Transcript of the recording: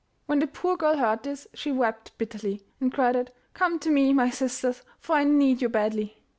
When the poor girl heard this she wept bitterly, and cried out, 'Come to me, my sisters, for I need you badly!